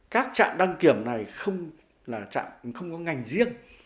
các trạm đăng kiểm này không có ngành riêng